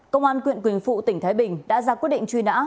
công an huyện quỳnh phụ tỉnh thái bình đã ra quyết định truy nã